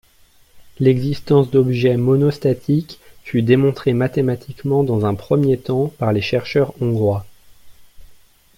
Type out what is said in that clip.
L'existence d'objet mono-monostatiques fut démontrée mathématiquement dans un premier temps par les chercheurs hongrois.